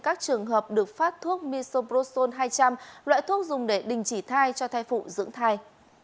các trường hợp được phát thuốc miso proson hai trăm linh loại thuốc dùng để đình chỉ thai cho thai phụ dưỡng thai